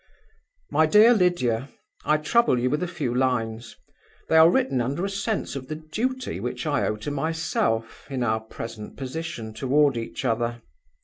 "MY DEAR LYDIA I trouble you with a few lines. They are written under a sense of the duty which I owe to myself, in our present position toward each other.